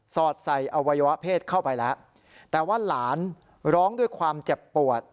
อดใส่อวัยวะเพศเข้าไปแล้วแต่ว่าหลานร้องด้วยความเจ็บปวด